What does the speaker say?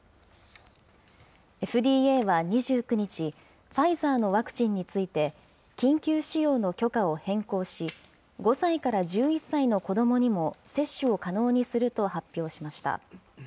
ＦＤＡは２９日、ファイザーのワクチンについて、緊急使用の許可を変更し、５歳から１１歳の子どもにも接種を可能にすると発表しました。